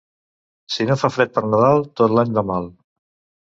Si no fa fred per Nadal, tot l'any va mal.